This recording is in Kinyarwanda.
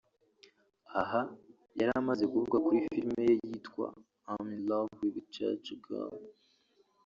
Aha yari amaze kuvuga kuri filime ye yitwa “I’m in Love with a Church Girl